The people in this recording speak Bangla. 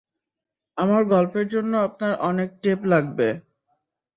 আমার গল্পের জন্য আপনার অনেক টেপ লাগবে।